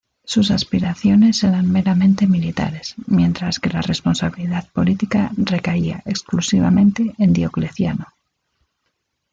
Sus aspiraciones eran meramente militares, mientras que la responsabilidad política recaía exclusivamente en Diocleciano.